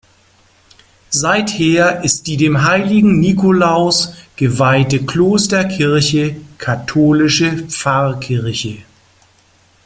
Seither ist die dem Heiligen Nikolaus geweihte Klosterkirche katholische Pfarrkirche.